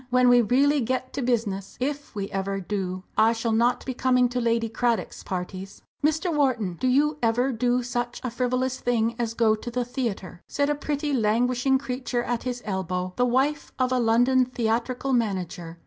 "When we really get to business if we ever do I shall not be coming to Lady Cradock's parties." "Mr. Wharton, do you ever do such a frivolous thing as go to the theatre?" said a pretty, languishing creature at his elbow, the wife of a London theatrical manager.